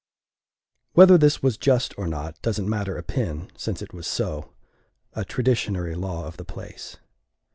Whether this was just or not doesn't matter a pin, since it was so a traditionary law of the place.